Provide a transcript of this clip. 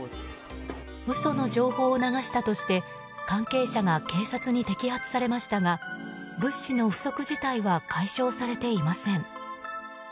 嘘の情報を流したとして関係者が警察に摘発されましたが物資の不足自体は解消されていません。